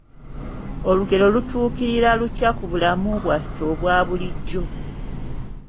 Olugero lutuukira lutya ku bulamu bwaffe obwa bulijjo?